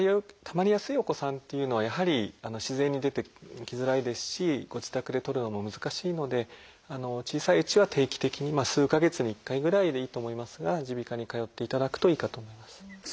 たまりやすいお子さんっていうのはやはり自然に出てきづらいですしご自宅で取るのも難しいので小さいうちは定期的に数か月に１回ぐらいでいいと思いますが耳鼻科に通っていただくといいかと思います。